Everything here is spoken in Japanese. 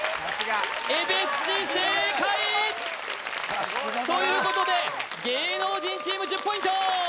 江別市正解！ということで芸能人チーム１０ポイント